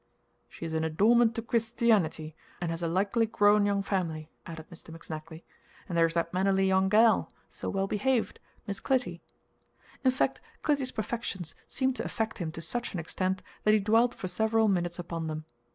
"She is an adornment to ChrisTEWanity, and has a likely growin' young family," added Mr. McSnagley; "and there's that mannerly young gal so well behaved Miss Clytie." In fact, Clytie's perfections seemed to affect him to such an extent that he dwelt for several minutes upon them.